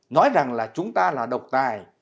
nói rằng là chúng ta là độc tài